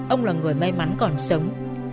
ông là người may mắn còn sống